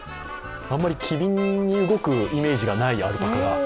あんまり機敏に動くイメージがないアルパカが。